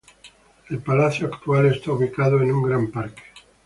El palacio actual está ubicado en un gran parque.